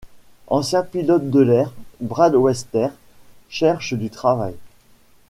Ancien pilote de l'air, Brad Webster cherche du travail.